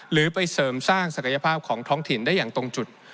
หรือไปเสริมสร้างศักยภาพของท้องถิ่นได้อย่างตรงจุด